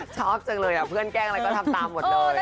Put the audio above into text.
ชอบจังเลยเพื่อนแกล้งอะไรก็ทำตามหมดเลย